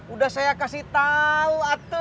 udah saya kasih tau